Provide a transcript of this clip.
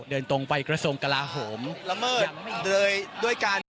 เดินตรงไปกระทรวงกลาโหมละเมิดโดยด้วยการ